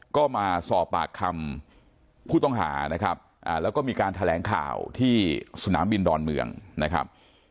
ก็มาสอบปากคำผู้ต้องหานะครับแล้วก็มีการแถลงข่าวที่สนามบินดอนเมืองนะครับ